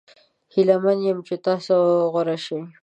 هیله من یم چې تاسو غوره شي.